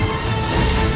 aku akan menangkapmu